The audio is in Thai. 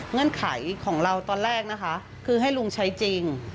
เงื่อนไขของเราตอนแรกนะคะคือให้ลุงใช้จริง